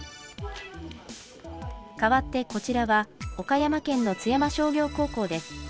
変わってこちらは、岡山県の津山商業高校です。